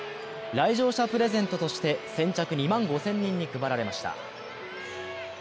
来場者プレゼントとして先着２万５０００人に配られました。